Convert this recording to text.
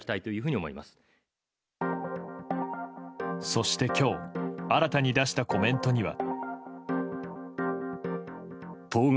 そして、今日新たに出したコメントには。